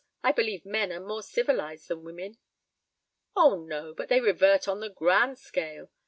I believe men are more civilized than women." "Oh, no, but they revert on the grand scale. ..